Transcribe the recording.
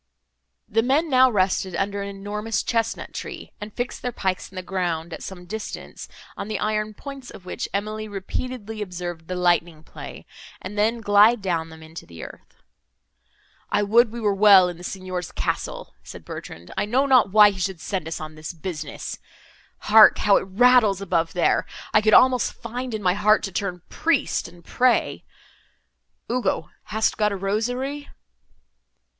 The men now rested under an enormous chesnut tree, and fixed their pikes in the ground, at some distance, on the iron points of which Emily repeatedly observed the lightning play, and then glide down them into the earth. "I would we were well in the Signor's castle!" said Bertrand, "I know not why he should send us on this business. Hark! how it rattles above, there! I could almost find in my heart to turn priest, and pray. Ugo, hast got a rosary?"